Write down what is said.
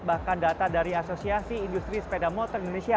bahkan data dari asosiasi industri sepeda motor indonesia